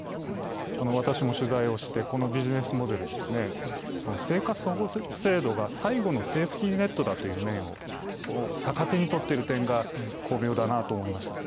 私も取材をして、このビジネスモデル生活保護制度が最後のセーフティーネットだという面を逆手に取っているのが巧妙だなあと思いました。